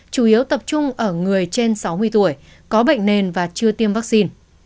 chủ yếu tập trung ở người trên sáu mươi tuổi có bệnh nền và chưa tiêm vaccine